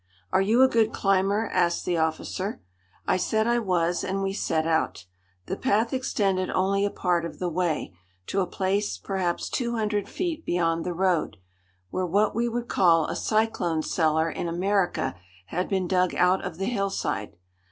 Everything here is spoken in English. "Are you a good climber?" asked the officer. I said I was and we set out. The path extended only a part of the way, to a place perhaps two hundred feet beyond the road, where what we would call a cyclone cellar in America had been dug out of the hillside.